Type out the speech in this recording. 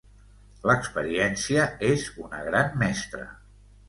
L'experiència és una gran mestra...